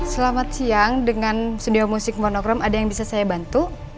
selamat siang dengan studio musik pornogram ada yang bisa saya bantu